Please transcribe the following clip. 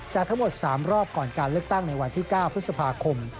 ทั้งหมด๓รอบก่อนการเลือกตั้งในวันที่๙พฤษภาคม